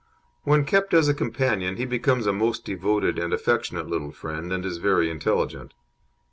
When kept as a companion he becomes a most devoted and affectionate little friend, and is very intelligent.